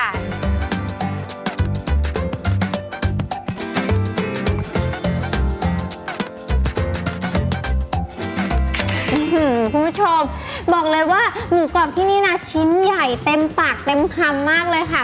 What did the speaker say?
คุณผู้ชมบอกเลยว่าหมูกรอบที่นี่นะชิ้นใหญ่เต็มปากเต็มคำมากเลยค่ะ